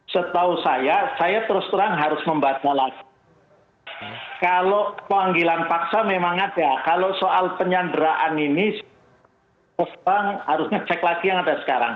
setahu saya saya terus terang harus membaca lagi kalau panggilan paksa memang ada kalau soal penyanderaan ini terus terang harus ngecek lagi yang ada sekarang